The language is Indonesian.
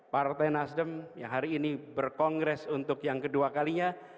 partai nasdem yang hari ini berkongres untuk yang kedua kalinya